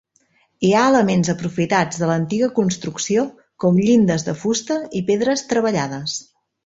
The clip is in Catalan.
Hi ha elements aprofitats de l'antiga construcció com llindes de fusta i pedres treballades.